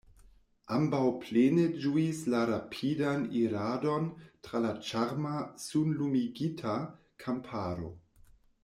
Ambaŭ plene ĝuis la rapidan iradon tra la ĉarma, sunlumigita kamparo.